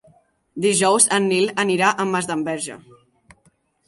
Dijous en Nil anirà a Masdenverge.